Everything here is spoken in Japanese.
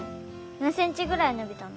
何センチぐらいのびたの？